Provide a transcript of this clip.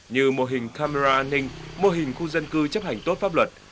như mô hình camera an ninh mô hình khu dân cư chấp hành tốt pháp luật